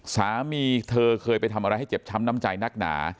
สามีเธอเคยไปทำอะไรให้เจ็บช้ำน้ำใจนักหนา